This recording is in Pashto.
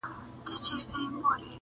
o اوبه پر لوړه وهه، کته په خپله ځي!